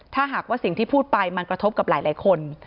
ถ้าหากว่าสิ่งที่พูดไปมันกระทบกับหลายคน